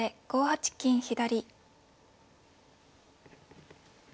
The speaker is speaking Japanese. ５八金左。